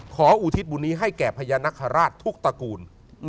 อุทิศบุญนี้ให้แก่พญานาคาราชทุกตระกูล